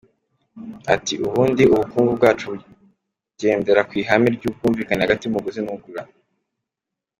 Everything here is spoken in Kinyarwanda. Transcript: Ati “Ubundi ubukungu bwacu bugendera ku ihame ry’ubwumvikane hagati y’umuguzi n’ugura.